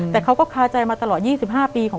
แต่ขอให้เรียนจบปริญญาตรีก่อน